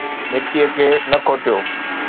مٽيءَ کي نه کوٽيو